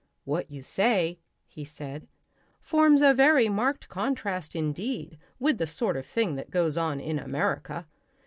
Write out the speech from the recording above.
"What you say," he said, "forms a very marked contrast indeed with the sort of thing that goes on in America.